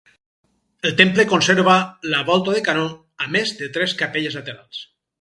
El temple conserva la volta de canó, a més de tres capelles laterals.